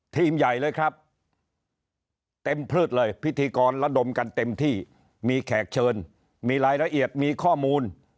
ทีมใหญ่เลยครับเต็มพืชเลยพิธีกรระดมกันเต็มที่มีแขกเชิญมีรายละเอียดมีข้อมูล